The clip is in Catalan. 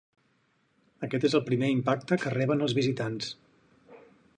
Aquest és el primer impacte que reben els visitants.